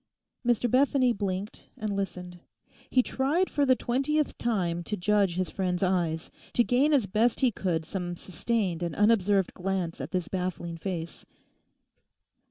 Mr Bethany blinked and listened. He tried for the twentieth time to judge his friend's eyes, to gain as best he could some sustained and unobserved glance at this baffling face.